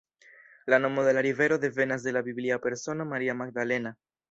La nomo de la rivero devenas de la biblia persono Maria Magdalena.